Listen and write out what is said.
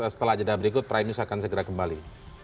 setelah jeda berikut primus akan segera kembali